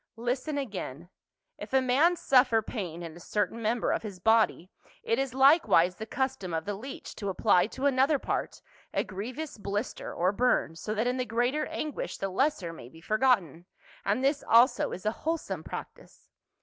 Listen again, if a man suffer 176 PAUL. pain in a certain member of his body it is likewise the custom of the leech to apply to another part a griev ous blister or burn, so that in the greater anguish the lesser may be forgotten, and this also is a wholesome practice.